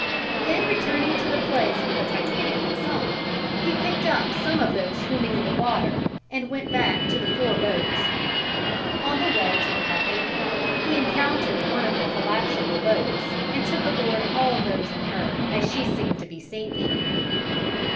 Then returning to the place where the Titanic had sunk, he picked up some of those swimming in the water and went back to the four boats. On the way to the Carpathia he encountered one of the collapsible boats, and took aboard all those in her, as she seemed to be sinking.